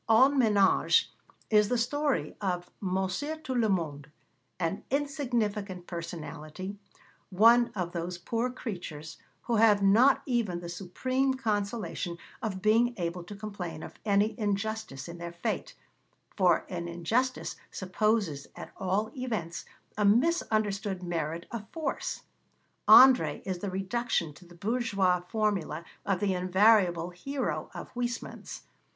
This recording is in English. En Ménage is the story of 'Monsieur Tout le monde, an insignificant personality, one of those poor creatures who have not even the supreme consolation of being able to complain of any injustice in their fate, for an injustice supposes at all events a misunderstood merit, a force.' André is the reduction to the bourgeois formula of the invariable hero of Huysmans.